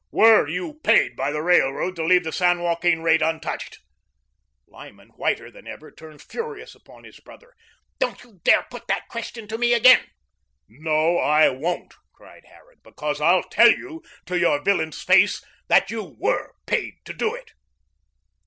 Were you paid by the Railroad to leave the San Joaquin rate untouched?" Lyman, whiter than ever, turned furious upon his brother. "Don't you dare put that question to me again." "No, I won't," cried Harran, "because I'll TELL you to your villain's face that you WERE paid to do it."